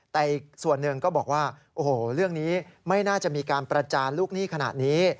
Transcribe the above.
แต่อีกส่วนหนึ่งก็บอกว่าโอ้โหเรื่องนี้ไม่น่าจะมีการประจานลูกหนี้ขนาดนี้